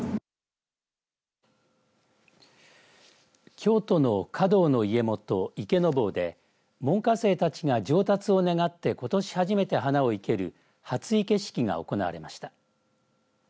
京都の華道の家元、池坊で門下生たちが上達を願ってことし初めて花を生ける初生け式が行われました。